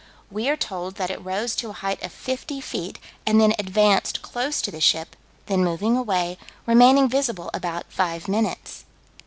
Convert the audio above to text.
We are told that it rose to a height of fifty feet, and then advanced close to the ship, then moving away, remaining visible about five minutes.